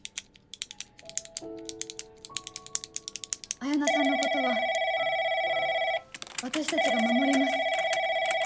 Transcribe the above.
彩菜さんのことは私たちが守ります。